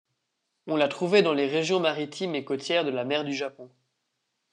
On la trouvait dans les régions maritimes et côtières de la mer du Japon.